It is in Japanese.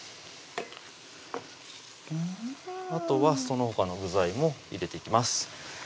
あとはそのほかの具材も入れていきます